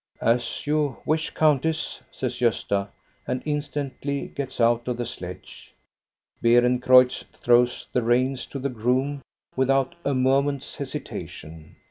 " As you wish, countess," says Gosta, and instantly gets out of the sledge. Beerencreutz throws the reins to the groom without a moment's hesitation.